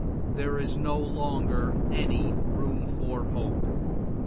There is no longer any room for hope.